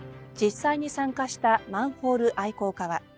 実際に参加したマンホール愛好家は。